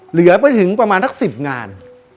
เหลือไปถึงประมาณสัก๑๐งาน